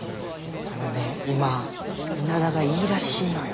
あのね今イナダがいいらしいのよ。